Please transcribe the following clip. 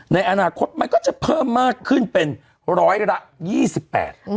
ในอนาคตมันก็จะเพิ่มมากขึ้นเป็นร้อยละยี่สิบแปด